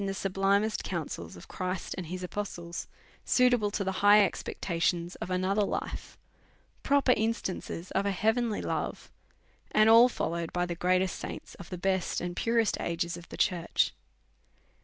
99 the sublimest counsels of Christ and his apostles, suit able to the high expectations of another life, pro per instances of a heavenly love, and ail followed by the greatest saints of the best and purest ages of the church.